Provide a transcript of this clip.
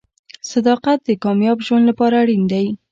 • صداقت د کامیاب ژوند لپاره اړین دی.